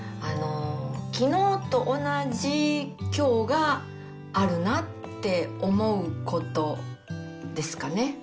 きのうと同じきょうがあるなって思うことですかね。